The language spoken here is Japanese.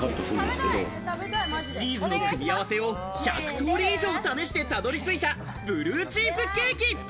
チーズの組み合わせを１００通り以上試してたどり着いたブルーチーズケーキ。